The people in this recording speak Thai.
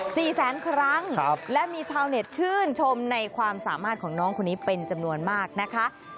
สี่แสนครั้งครับและมีชาวเน็ตชื่นชมในความสามารถของน้องคนนี้เป็นจำนวนมากนะคะ